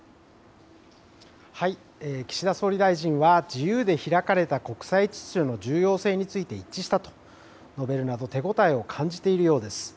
岸田総理大臣は自由で開かれた国際秩序の重要性について一致したと述べるなど、手応えを感じているようです。